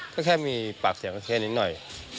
ก็แค่มีปากเสียงกันแค่นิดหน่อย